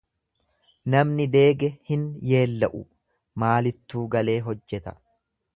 Namni deege hin yeella'u, maalittuu galee hojjeta.